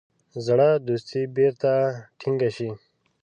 زړه دوستي بیرته ټینګه سي.